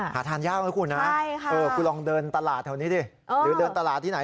หาทานยากนะคุณนะคุณลองเดินตลาดแถวนี้ดิหรือเดินตลาดที่ไหน